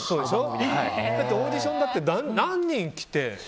だってオーディションだって何人来て。